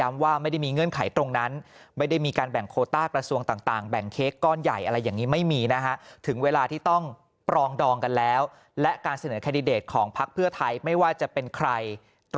ไม่ได้มีเวลาที่ต้องปรองดองและการเสนอแคดเดตของพัคเพื่อไทยไม่ว่าจะเป็นใคร